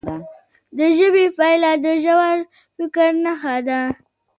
د ژبې پاملرنه د ژور فکر نښه ده.